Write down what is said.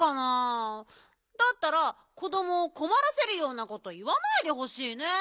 だったら子どもをこまらせるようなこといわないでほしいね。